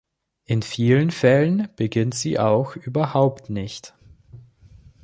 In vielen Fällen beginnt sie auch überhaupt nicht.